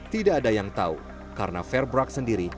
tidak ada yang tahu karena verbrugge sendiri